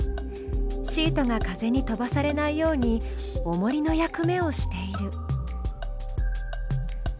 シートが風に飛ばされないようにおもりの役目をしている。